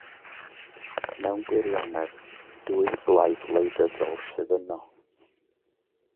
Mewn gwirionedd, dwy blaid wleidyddol sydd yno.